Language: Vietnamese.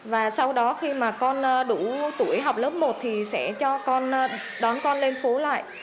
và sau đó khi mà con đủ tuổi học lớp một thì sẽ cho con đón con lên phố lại